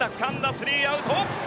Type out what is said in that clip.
スリーアウト。